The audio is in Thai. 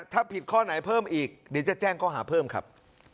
ถ้าผิดข้อไหนเพิ่มอีกเดี๋ยวจะแจ้งข้อหาเพิ่มครับ